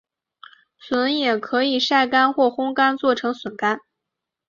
笋也可以晒干或烘干做成笋干。